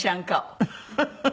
フフフフ。